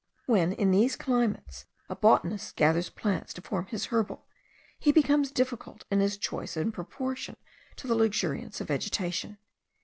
When, in these climates, a botanist gathers plants to form his herbal, he becomes difficult in his choice in proportion to the luxuriance of vegetation.